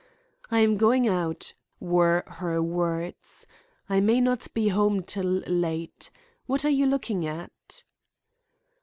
"I am going out," were her words. "I may not be home till late—What are you looking at?"